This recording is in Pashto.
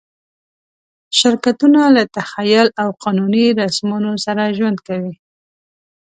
شرکتونه له تخیل او قانوني رسمونو سره ژوند کوي.